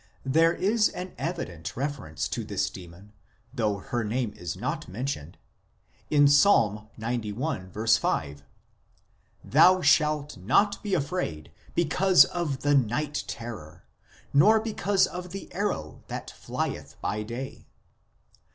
There is an evident reference to this demon, though her name is not mentioned, in Ps. xci. 5 :" Thou shalt not be afraid because of the night terror, nor because of the arrow that flieth by day."